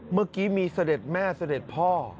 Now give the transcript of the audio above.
เมื่อกี้มีเสด็จแม่เสด็จพ่อ